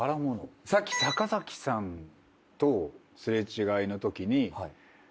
さっき坂崎さんと擦れ違いのときに。